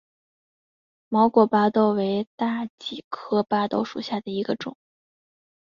毛果巴豆为大戟科巴豆属下的一个种。